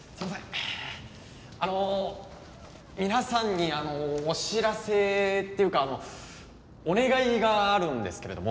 あの皆さんにあのお知らせっていうかお願いがあるんですけれども。